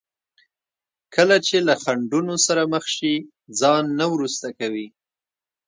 کله چې له خنډونو سره مخ شي ځان نه وروسته کوي.